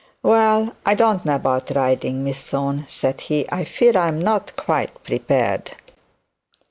'Well, I don't know about riding, Miss Thorne,' said he; 'I fear I'm not quite prepared.'